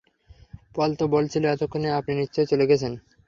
পল তো বলছিল এতক্ষণে আপনি নিশ্চয় চলে গেছেন।